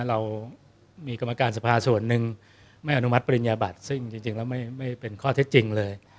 เรามีกรรมการสภาส่วนหนึ่งไม่อนุมัติปริญญาบัติซึ่งจริงแล้วไม่เป็นข้อเท็จจริงเลย